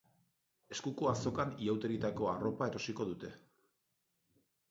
Eskuko azokan ihauterietarako arropa erosiko dute.